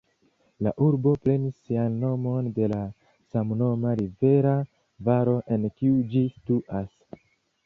La urbo prenis sian nomon de la samnoma rivera valo, en kiu ĝi situas.